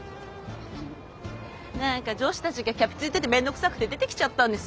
何か女子たちがキャピついてて面倒くさくて出てきちゃったんです。